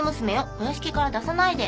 お屋敷から出さないで」